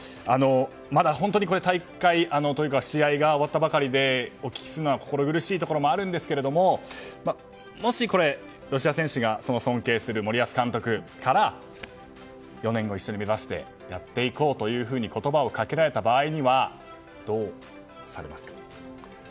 まだ本当に試合が終わったばかりでお聞きするのは心苦しいところはありますがもし、吉田選手が尊敬する森保監督から４年後を一緒に目指してやっていこうと言葉をかけられた場合はどうされますか。